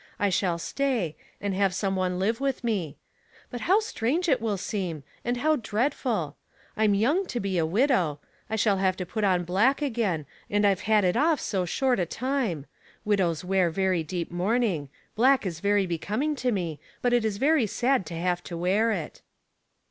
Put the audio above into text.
I shall stay, and have some one live with me ; but how strange it will seem, and how dreadful ! I'm young to be a widow. I shall have to put on bhick again, and I've had it off so short a time. Widows wear very deep mourning; black is very becoming to me, but it is very sad to have to wear it."